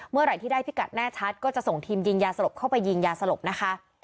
เมื่อไหร่ที่ได้พิกัดแน่ชัดก็จะส่งทีมยิงยาสลบเข้าไปยิงยาสลบนะคะ